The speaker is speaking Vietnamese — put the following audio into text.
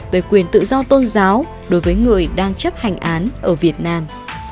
về quyền tự do tôn giáo đối với người đang chấp hành án ở việt nam